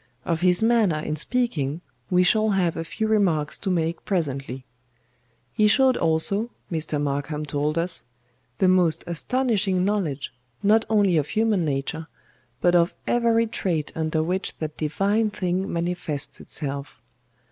Of his manner in speaking we shall have a few remarks to make presently. He showed also, Mr. MARKHAM told us, the most astonishing knowledge, not only of human nature, but of every trait under which that divine thing manifests itself.